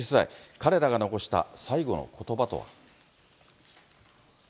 彼らが残した最後のことばとは。